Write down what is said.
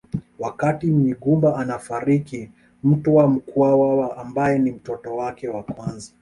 Wakati Munyigumba anafariki Mtwa Mkwawa ambaye ni mtoto wake wa kwanza